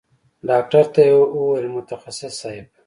ډاکتر ته يې وويل متخصص صايب.